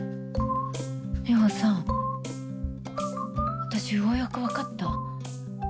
ミホさん私ようやく分かった。